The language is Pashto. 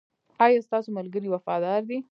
ایا ستاسو ملګري وفادار دي؟